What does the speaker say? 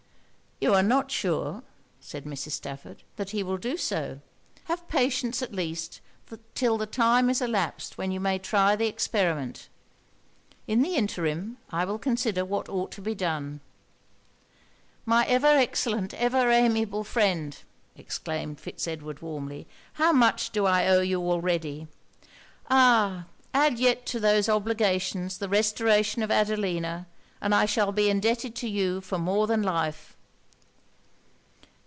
'You are not sure,' said Mrs. Stafford, 'that he will do so. Have patience at least till the time is elapsed when you may try the experiment. In the interim I will consider what ought to be done.' 'My ever excellent, ever amiable friend!' exclaimed Fitz Edward warmly 'how much do I owe you already! Ah! add yet to those obligations the restoration of Adelina, and I shall be indebted to you for more than life.